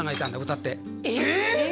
歌ってえっ！？